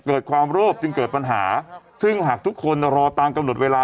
เกิดความโลภจึงเกิดปัญหาซึ่งหากทุกคนรอตามกำหนดเวลา